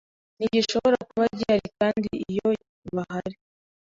ntigishobora kuba gihari kandi iyo bahari